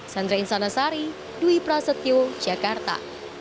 sandra insanasari dwi prasetyo jakarta